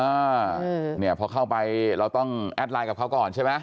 อ่าเนี่ยพอเข้าไปเราต้องแอดไลน์กับเขาก่อนใช่ไหม